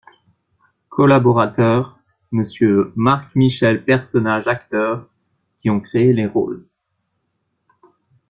COLLABORATEUR : Monsieur MARC-MICHEL PERSONNAGES ACTEURS qui ont créé les rôles.